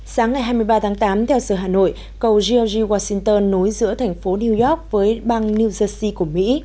sáng ngày hai mươi ba tháng tám theo giờ hà nội cầu jeegie washington nối giữa thành phố new york với bang new jersey của mỹ